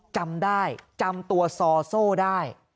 จำได้จำตัวซอโซ่ได้